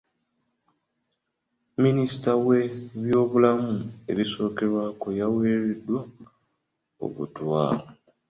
Minisita w'ebyobulamu ebisookerwako y'aweereddwa obutwa.